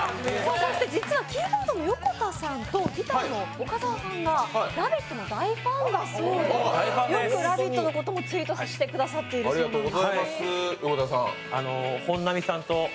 そして、実はキーボードのヨコタさんとギターのオカザワさんが「ラヴィット！」の大ファンだそうでよく「ラヴィット！」のこともツイートしてくださっているそうなんです。